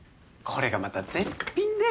これがまた絶品で！